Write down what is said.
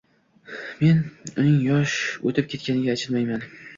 Men uning yosh o‘tib ketganiga achinmayman